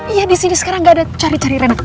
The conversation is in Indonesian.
iya disini sekarang gak ada cari cari rena